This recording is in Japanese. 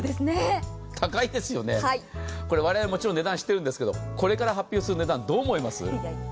高いんですよね、我々もちろん値段知っているんですけれどもこれから発表する値段、どう思います？